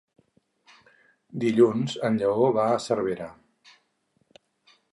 Dilluns en Lleó va a Cervera.